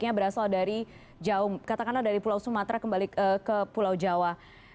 ini bagi mereka yang mudiknya berasal dari pulau sumatera kembali ke pulau jawa